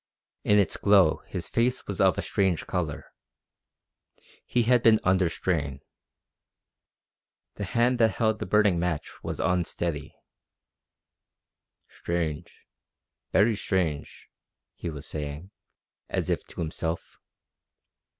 In its glow his face was of a strange colour. He had been under strain. The hand that held the burning match was unsteady. "Strange, very strange," he was saying, as if to himself.